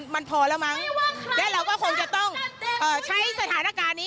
มันพอแล้วมั้งและเราก็คงจะต้องใช้สถานการณ์นี้